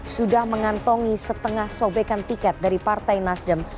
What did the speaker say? sudah mengantongi setengah sobekan tiket dari partai nasdem